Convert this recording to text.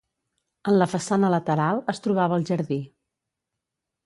En la façana lateral es trobava el jardí.